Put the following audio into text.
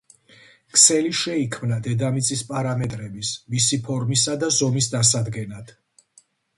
ქსელი შეიქმნა დედამიწის პარამეტრების, მისი ფორმისა და ზომის დასადგენად.